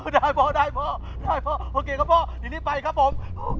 ได้พ่อได้พ่อได้พ่อโอเคครับพ่อเดี๋ยวนี้ไปครับผม